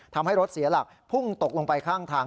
ทำให้รถเสียหลักพุ่งตกลงไปข้างทาง